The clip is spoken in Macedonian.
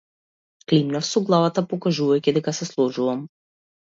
Климнав со главата, покажувајќи дека се сложувам.